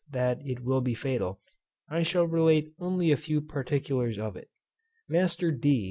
that it will be fatal) I shall relate only a few particulars of it. Master D.